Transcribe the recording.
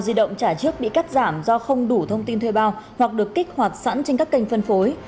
di động trả trước bị cắt giảm do không đủ thông tin thuê bao hoặc được kích hoạt sẵn trên các kênh phân phối